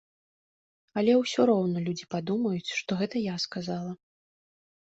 Але ўсё роўна людзі падумаюць, што гэта я сказала.